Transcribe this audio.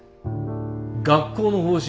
学校の方針